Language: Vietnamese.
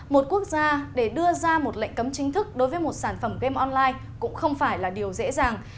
một quốc gia để đưa ra một lệnh cấm chính thức đối với một sản phẩm game online cũng không phải là điều dễ dàng